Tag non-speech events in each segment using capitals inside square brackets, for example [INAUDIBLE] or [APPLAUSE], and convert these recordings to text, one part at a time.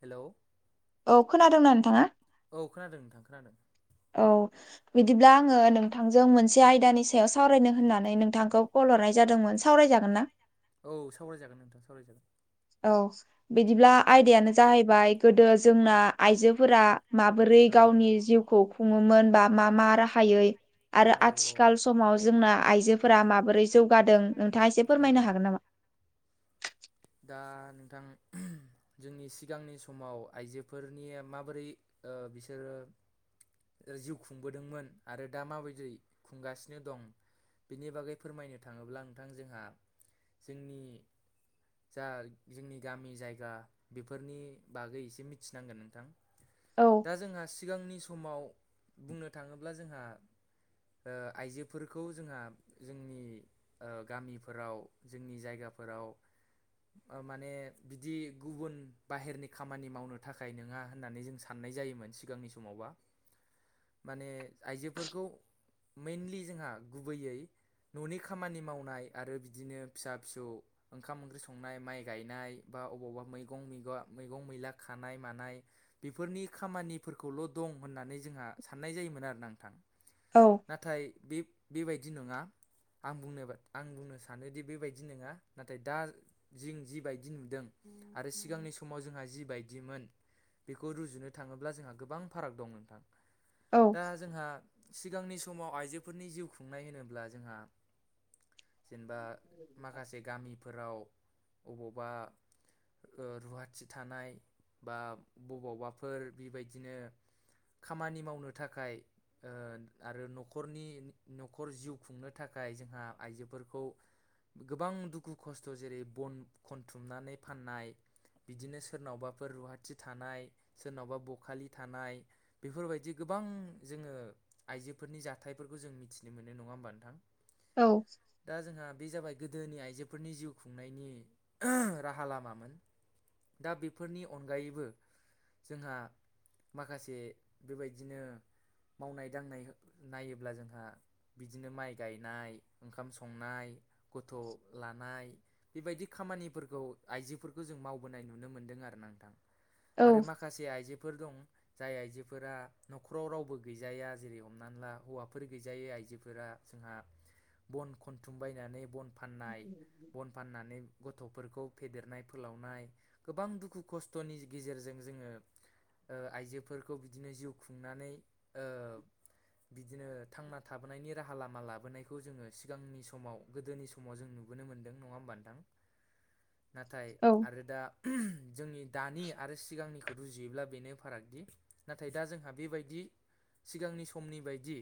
Hello औ औ खोनादोंना नोंथाङा? औ खोनादों नोंथां खोनादों। औ बिदिब्ला आङो नोंथांजों मोनसे आयदानि सायाव सावरायनो होननानै नोंथांखौ कल हरनाय जादोंमोन। सावरायजागोन ना? औ सावरायजागोन नोंथां सावरायजागोन। औ बिदिब्ला आयदायानो जाहैबाय गोदो जोंना आइजोफोरा माबोरै औ गावनि जिउखौ खुङोमोन बा मा मा राहायै आरो औ औ आथिखाल समाव जोंना आइजोफोरा माबोरै जौगादों नोंथाङा एसे औ फोरमायनो हागोन नामा? दा नोंथां जोंनि सिगांनि समाव आइजोफोरनिया माबोरै ओ बिसोरो जिउ खुंबोदोंमोन आरो दा माबायदियै खुंगासिनो दं। बिनि बागै फोरमायनो थाङोब्ला नोंथां जोंहा जोंनि जा जोंनि गामि जायगा बेफोरनि बागै एसे मिथिनांगोन नोंथां। औ दा जोंहा सिगांनि समाव बुंनो थाङोब्ला जोंहा ओ आइजोफोरखौ जोंहा जोंनि ओ गामिफोराव जोंनि जायगाफोराव अ माने बिदि गुबुन बाहेरनि खामानि मावनो थाखाय नङा होननानै जों साननाय जायोमोन सि सिगांनि समावबा। [INAUDIBLE] माने आइजोफोरखौ मेइनलि जोंहा गुबैयै न'नि खामानि मावनाय आरो बिदिनो फिसा फिसौ ओंखाम ओंख्रि सं संनाय माइ गायनाय बा अबावबा मैगंगं मैगं मैला खानाय मानाय बेफोरनि खामानिफोरखौल' दं होननानै जोंहा साननाय जायोमोन आरोना नोंथां। औ नाथाय बे बेबायदि नङा। आं बुंनो ब आं बुंनो सानोदि बेबायदि नङा नाथाय दा जिं जिबायदि नुदों आरो सिगांनि समाव जोंहा जिबायदिमोन। बेखौ रुजुनो थाङोब्ला जोंहा गोबां फाराग दं नोंथां औ दा जोंहा सिगांनि समाव आइजोफोरनि जिउ खुंनाय होनोब्ला जोंहा जेनेबा माखासे गामिफोराव अबावबा ओ रुवाथि थानाय बा बबावबाफोर बेबायदिनो खामानि मावनो थाखाय ओ आरो न'खरनि न'खर जिउ खुंनो थाखाय जोंहा आइजोफोरखौ गोबां दुखु खस्थ' जेरै बन खनथुमनानै फाननाय बिदिनो सोरनावबाफोर रुवाथि थानाय सोरनावबा बखालि थानाय। बेफोरबायदि गोबां जोङो आइजोफोरनि जाथायफोरखौ जों मिथिनो मोनो नङा होमबा नोंथां? औ। दा जोंहा बे जाबाय गोदोनि आइजोफोरनि जिउ खुंनायनि राहा लामामोन। दा बेफोरनि अनगायैबो जोंहा माखासे बेबायदिनो मावनाय दांनाय हो नायोब्ला जोंहा बिदिनो माइ गायनाय ओंखाम संनाय गथ' लानाय बेबायदि खामानिफोरखौ आइजोफोरखौ जों मावबोनाय नुनो मोन्दों आरोना नोंथां औ आरो मा खासे आइजोफोर दं जाय आइजोफोरा न'खराव रावबो गैजाया जेरै हमनानै ला हौवाफोर गैजायै आइजोफोरा जोंहा बन खनथुम बायनानै बन फाननाय बन फाननानै गथ'फोरखौ फेदेरनाय फोलावनाय गोबां दुखु खस्थ'नि गेजेरजों जोङो ओ आइजोफोरखौ बिदिनो जिउ खुंनानै ओ बिदिनो थांना थाबोनायनि राहा लामा लाबोनायखौ जोङो सिगांनि समाव गोदोनि समाव जों नुबोनो मोन्दों। नङा होमबा नोंथां? नाथाय आरो दा जोंनि दानि आरो सिगांनिखौ रुजुयोब्ला बेनो फारागदि नाथाय दा जोंहा बेबायदि सिगांनि समनि बायदि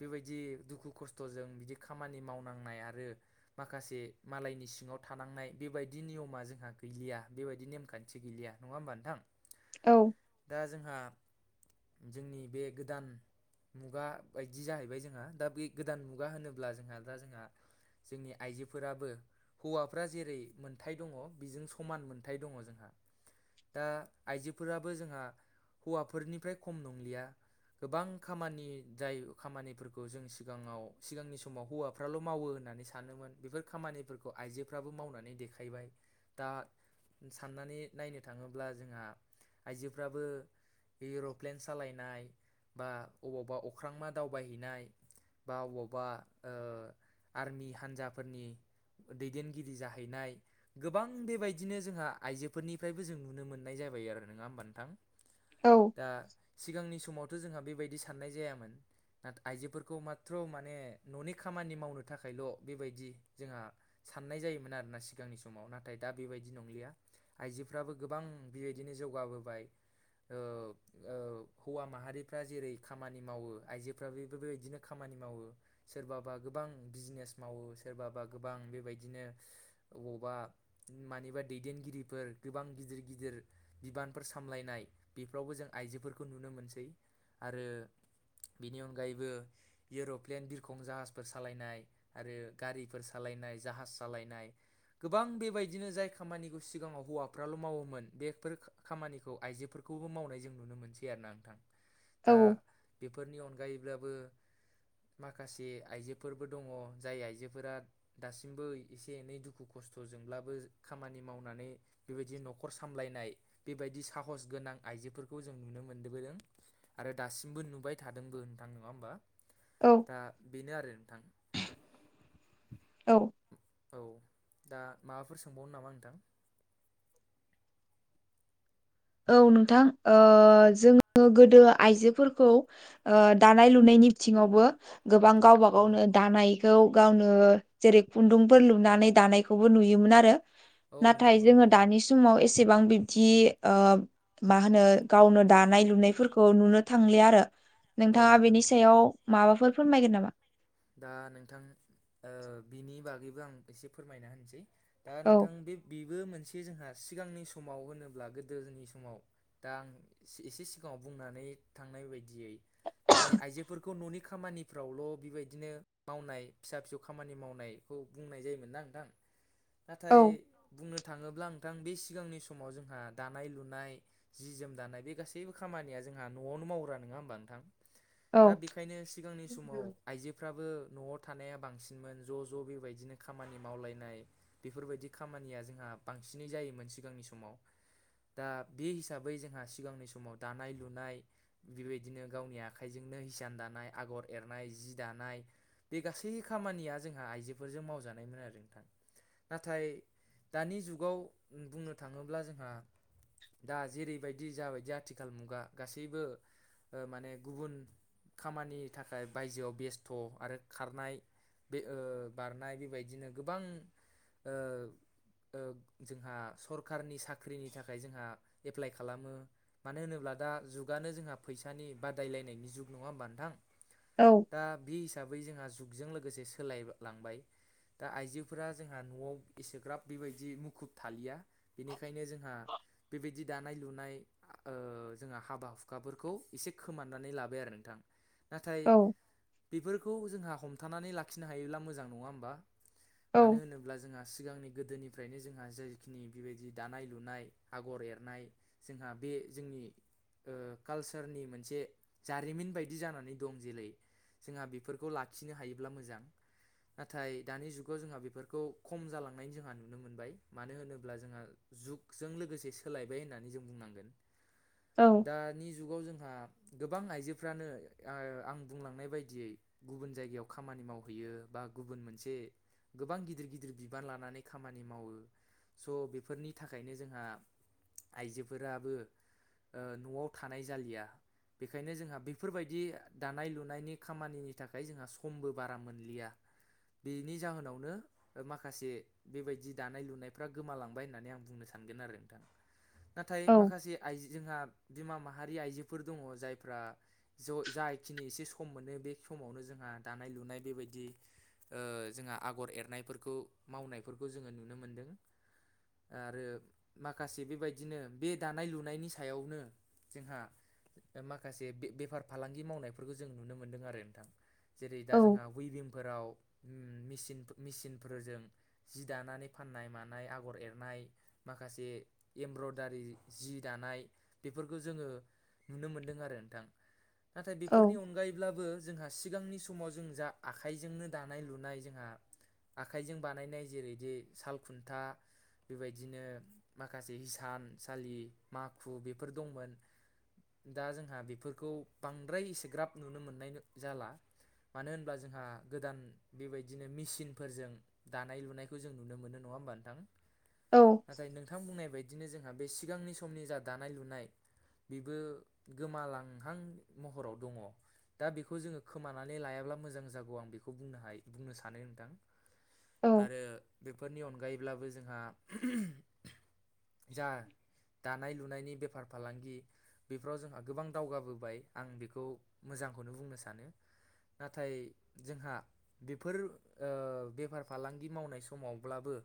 बेबायदि दुखु खस्थ'जों बिदि खामानि मावनांनाय आरो माखासे मालायनि सिङाव थानांनाय बेबायदि नियमा जोंहा गैलिया बेबायदि नेमखान्थि गैलिया नङा होमबा नोंथां? औ। दा जोंहा जोंनि बे गोदान मुगा बायदि जाहैबाय जोंहा दा बे गोदान मुगा होनोब्ला जोंहा दा जोंहा जोंनि आइजोफोराबो हौवाफ्रा जेरै मोनथाय दङ बेजों समान मोनथाय दङ जोंहा। दा आइजोफोराबो जोंहा हौवाफोरनिफ्राय खम नंलिया गोबां खामानि जाय खामानिफोरखौ जों सिगाङाव सिगांनि समाव हौवा फ्राल' मावो होन्नानै सानोमोन बेफोर खामानि फोरखौ आइजोफ्राबो मावनानै देखायबाय दा साननानै नायनो थाङोब्ला जोंहा आइजोफ्राबो एर'प्लेन सालायनाय बा अबावबा अख्रांमा दावबायहैनाय बा अबावबा ओ आर्मि हान्जाफोरनि दैदेनगिरि जाहैनाय गोबां बेबायदिनो जोंहा आइजोफोरनिफ्रायबो जों नुनो मोननाय जाबाय आरो नङा होमबा नोंथां? औ। दा सिगांनि समावथ' जोंहा बेबायदि साननाय जायामोन। [UNINTELLIGIBLE] आइजोफोरखौ माथ्र' माने न'नि खामानि मावनो थाखायल' बेबायदि जोंहा साननाय जायोमोन आरोना सिगांनि समाव नाथाय दा बेबायदि नंलिया। आइजोफ्राबो गोबां बेबायदिनो जौगाबोबाय ओ ओ हौवा माहारिफ्रा जेरै खामानि मावो आइजोफ्राबो बेबायदिनो खामानि मावो। सोरबाबा गोबां बिजिनेस मावो सोरबाबा गोबां बेबायदिनो अबावबा मानिबा दैदेनगिरिफोर गोबां गिदिर गिदिर बिबानफोर सामलायनाय बेफोरावबो जों आइजोफोरखौ नुनो मोनसै आरो बेनि अनगायैबो एर'प्लेन बिरखं जाहाजफोर सालायनाय आरो गारिफोर सालायनाय जाहाज सालायनाय गोबां बेबायदिनो जाय खामानिखौ सिगाङाव हौवाफ्राल' मावोमोन बेफोर खामानिखौ आइजोफोरखौबो मावनाय जों नुनो मोनसै आरोोना नोंथां दा बेफोरनि अनगायैब्लाबो माखासे आइजोफोरबो दङ जाय आइजोफोरा दासिमबो एसे एनै दुखु खस्थ'जोंब्लाबो खामानि मावनानै बेबायदि न'खर सामलायनाय बेबायदि साहस गोनां आइजोफोरखौ जों नुनो मोनबोबोदों आरो दासिमबो नुबाय थादोंबो नथां नङा होमबा औ दा बेनो आरो नोंथां औ औ दा माबाफोर सोंबावनो नामा नोंथां औ नोंथां जोङो गोदो आइजोफोरखौ दानाय लुनायनि बिथिङावबो गोबां गावबा औ गावनो दानाय खौ गावनो जेरै खुन्दुंफोर लुनानै दानायखौबो नुयोमोन आरो औ नाथाय नोंथां औ जोङो औ दानि समाव एसेबां बिब्दि मा होनो गावनो दानाय लुनायफोरखौ नुनो थांलि आरो औ नोंथाङा नोंथां बेनि औ सायाव माबाफोर फोरमायगोन नामा दा नोंथां बिनि बागैबो आं एसे फोरमायना होनसै दा औ नोंथां बे बेबो मोनसे जोंहा सिगांनि समाव होनोब्ला गोदोनि समाव दा आं एसे सिगाङाव बुंनानै थांनाय बायदियै माने आइजोफोरखौ न'नि खामानिफ्रावल' बेबायदि बिदिनो मावनाय फिसा फिसौ खामानि मावनायखौ बुंनाय जायोमोन ना नोंथां औ नाथाय बुंनो थाङोब्ला नोंथां बे सिगांनि समाव जोंहा दानाय लुनाय जि जोम दानाय बे गासैबो खामानिया जोंहा न'आवनो मावग्रा नङा होमबा नोंथां दा औ बेखायनो सिगांनि समाव आइजोफ्राबो न'आव थानाया बांसिनमोन ज' ज' बेबायदिनो खामानि मावलायनाय बेफोरबायदि खामानिया जोंहा बांसिनै जायोमोन सिगांनि समाव दा बे हिसाबै जोंहा सिगांनि समाव दानाय लुनाय बेबायदिनो गावनि आखाइजोंनो हिसान दानाय आगर एरनाय जि दानाय बे गासै खामानिया जोंहा आइजोफोरजों मावजानायमोन आरो नोंथां नाथाय दानि जुगाव बुंनो थाङोब्ला जोंहा दा जेरैबायदि जाबायदि आथिखाल मुगा गासैबो माने गुबुन खामानि थाखाय बायजोआव बेस्थ' आरो खारनाय बे बारनाय बेबायदिनो गोबां ओ जोंहा सरखारारनि साख्रिनि थाखाय जोंहा एप्लाइ खालामो मानो होनोब्ला दा जुगानो जोंहा फैसानि बादायलायनायनि जुग नङा होमबा नोंथां औ ओ दा बे हिसाबै जोंहा जुगजों लोगोसे सोलायलांबाय दा आइजोफोरा जोंहा न'आव एसेग्राब बेबायदि मुखुब थालिया बेनिखायनो जोंहा बेबायदि दानाय लुनाय ओ जोंहा हाबा हुखाफोरखौ एसे खोमाननानै लाबाय आरो नोंथां नाथाय औ बेफोरखौ जोंहा हमथानानै लाखिनो हायोब्ला मोजां नङा होमबा औ मानो होनो अब्ला जोंहा सिगांनि गोदोनिफ्रायनो जोंहा जायखिनि बेबायदि दानाय लुनाय आगर एरनाय जोंहा बे जोंनि ओ कालसारनि मोनसे जारिमिन बायदि जानानै दं जेरै जोंहा बेफोरखौ लाखिनो हायोब्ला मोजां नाथाय दानि जुगाव जोंहा बेफोरखौ खम जालांनाय जोंहा नुनो मोनबाय मानो होनोब्ला जोंहा जुगजों लोगोसे सोलायबाय होननानै जों बुंनांगोन औ दानि जुगाव जोंहा गोबां आइजोफ्रानो आ-आं बुंलांनाय बायदि दियै गुबुन जायगायाव खामानि मावहैयो बा गुबुन मोनसे गोबां गिदिर गिदिर बिबान लानानै खामानि मावो। स' बेफोरनि थाखायनो जोंहा आइजोफोराबो ओ न'आव थानाय जालिया बेखायनो जोंहा बेफोरबायदि दानाय लुनायनि खामानिनि थाखाय जोंहा समबो बारा मोनलिया बिनि जाहोनावनो ओ माखासे बेबायदि दानाय लुनायफ्रा गोमालांबाय होननानै आं बुंनो सानगोन आरो नोंथां। नाथाय औ माखासे आइजो जोंहा बिमा माहारि आइजोफोर दङ जायफ्रा ज'-जा खिनि एसे सेम मोनो बे समावनो जोंहा दानाय लुनाय बेबायदि ओ जोंहा आगर एरनायफोरखौ मावनायफोरखौ जोङो नुनो मोनदों। आरो माखासे बेबायदिनो बे दानाय लुनायनि सायावनो जोंहा माखासे बे-बेफार फालांगि मावनायफोरखौ जों नुनो मोनदों आरो नोंथां। जेरै दा जोंहा उइभिंफोराव उम मेसिन मिसिनफोरजों जि दानानै फाननाय मानाय आगर एरनाय माखासे एमब्रयदारि जि दानाय बेफोरखौ जोङो नुनो मोनदों आरो नोंथां नाथाय बेफोरनि अनगायैब्लाबो जोंहा सिगांनि समाव जों जा आखाइजोंनो दानाय लुनाय जोंहा आखाइजों बानायनाय जेरै जे साल खुन्था बेबायदिनो माखासे हिसानसालि माखु बेफोर दंमोन। दा जोंहा बेफोरखौ बांद्राय एसे ग्राब नुनो मोननाय जाला। मानो होनब्ला जोंहा गोदान बेबायदिनो मेसिनफोरजों दानाय लुनायखौ जों नुनो मोनो नङा होमबा नोंथां? औ नाथाय नोंथां बुंनाय बाय बिदिनो जोंहा बे सिगांनि समनि जा दानाय लुनाय बेबो गोमालांहां महराव दङ। दा बेखौ जोङो खोमानानै लायाब्ला मोजां जागौ आं बेखौ बुंनो हायो बुंनो सानो नोंथां। औ आरो बेफोरनि अनगायैब्लाबो जोंहा जा दानाय लुनायनि बे फार फालांगि बेफोराव जोंहा गोबां दावगाबोबाय आं बेखौ मोजांखौनो बुंनो सानो नाथाय जोंहा बेफोर ओ बेफार फालांगि मावनाय समावब्लाबो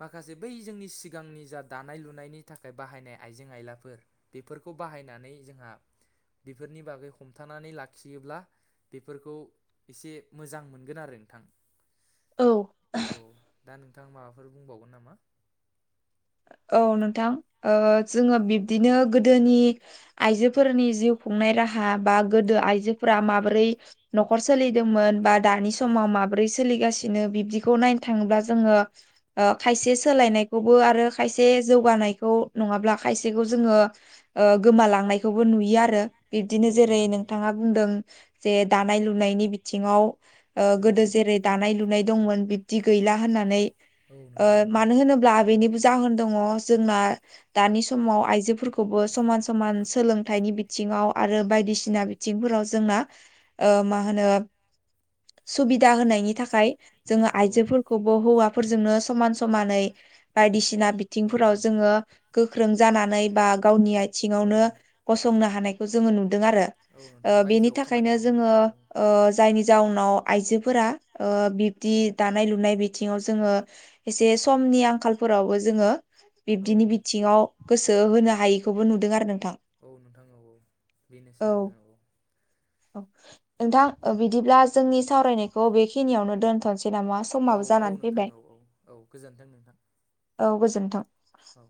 माखासे बै जोंनि सिगांनि जा दानाय लुनायनि थाखाय बाहायनाय आइजें आइलाफोर बेफोरखौ बाहायनानै जोंहा बेफोरनि बागै हम थानानै लाखियोब्ला बेफोरखौ एसे मोजां मोनगोन आरो नोंथां। औ औ दा नोंथां माबाफोर बुंबावगोन नामा? औ नोंथां ओ जोङो बिब्दिनो गोदोनि आइजोफोरनि जिउ खुंनाय राहा बा गोदो आइजोफोरा माबोरै न'खर सोलिदोंमोन बा दानि औ समाव माब्रै सोलिगासिनो बिबदि खौ नायनो थाङोब्ला जोङो ओ खायसे सोलायनायखौबो आरो खायसे जौगानायखौ नङाब्ला खायसेखौ जोङो ओ गोमालांनायखौबो नुयो आरो बिब्दिनो औ जेरै नोंथां औ नोंथाङा बुंदों जे दानाय लुनायनि बिथिङाव ओ गोदो जेरै दानाय लुनाय औ दंमोन बिब्दि गैला होननानै। औ ओ नोंथां औ मानो होनोब्ला बेनिबो जाहोन दङ जोंना दानि समाव आइजोफोरखौबो समान समान सोलोंथायाइनि बिथिङाव आरो बायदिसिना बिथिंफोराव जोंना ओ मा होनो सुबिदा होनायनि थाखाय जोङो औ आइजोफोरखौ बो हौवाफोरजोंनो समान समानै बायदि। बायदिसिना औ बिथिंफोराव जोङो गोख्रों जानानै बा गावनि औ आथिङावनो। गसंनो हानायखौ जोङो नुदों आरो औ नोंथां बेनि बायजोआव खामानि थाखायनो जोङो। मावहैनायखौ जायनि जाउनाव आइजोफोरा बिब्दि दानाय लुनाय बिथिङाव जोङो। एसे समनि आंखालफोरावबो। जोङो औ बिब्दिनि बिथिङाव गोसो होनो हायैखौबो नुदों आरो नोंथां। औ नोंथां औ औ बेनोसै नोंथां औ। औ। नोंथां बिदिब्ला जोंनि सावरायनायखौ बेखिनियावनो दोनथ'नोसै नामा औ समाबो औ जानानै नोंथां फैबाय। औ औ औ गोजोन्थों नोंथां। औ गोजोन्थों। औ।